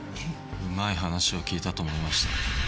うまい話を聞いたと思いました。